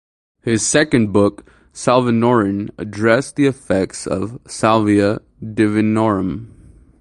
His second book, "Salvinorin," addressed the effects of "Salvia divinorum".